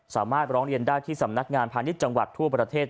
ร้องเรียนได้ที่สำนักงานพาณิชย์จังหวัดทั่วประเทศ